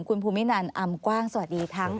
คุณภูมินันอำกว้างสวัสดีทั้ง